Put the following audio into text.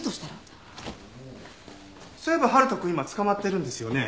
そういえば春人くん今捕まってるんですよね。